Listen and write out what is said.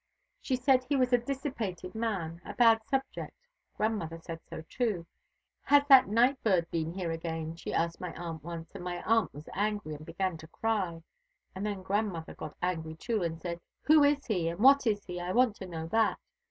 She said he was a dissipated man, a bad subject. Grandmother said so too. 'Has that night bird been here again?' she asked my aunt once; and my aunt was angry, and began to cry; and then grandmother got angry too, and said, 'Who is he, and what is he? I want to know that.'